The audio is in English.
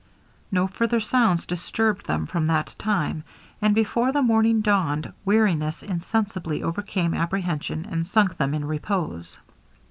No further sounds disturbed them for that time; and before the morning dawned, weariness insensibly overcame apprehension, and sunk them in repose.